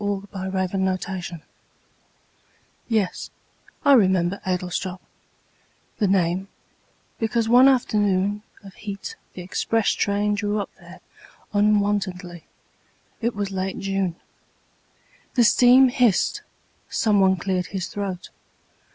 Edward Thomas Adlestrop YES, I remember Adlestrop The name because one afternoon Of heat the express train drew up there Unwontedly. It was late June. The steam hissed. Someone cleared his throat.